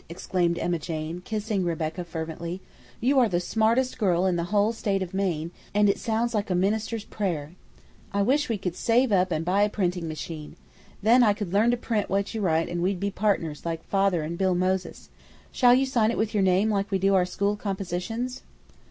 exclaimed Emma Jane, kissing Rebecca fervently. "You are the smartest girl in the whole State of Maine, and it sounds like a minister's prayer. I wish we could save up and buy a printing machine. Then I could learn to print what you write and we'd be partners like father and Bill Moses. Shall you sign it with your name like we do our school compositions?"